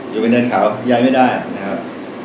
อยู่เป็นเนินเขาย้ายไม่ได้นะครับ